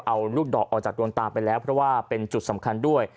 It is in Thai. เอาลูกดอกออกจากดวงตาไปแล้วเพราะว่าเป็นจุดสำคัญด้วย